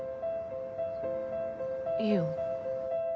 いいよ。